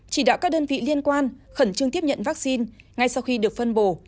chỉ đạo các đơn vị liên quan khẩn trương tiếp nhận vaccine ngay sau khi được phân bổ